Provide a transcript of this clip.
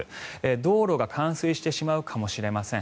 道路が冠水してしまうかもしれません。